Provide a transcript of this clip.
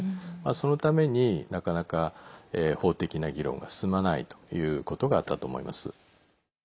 そのために、なかなか法的な議論が進まないということがあったと思います。